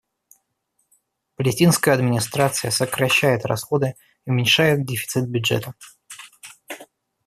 Палестинская администрация сокращает расходы и уменьшает дефицит бюджета.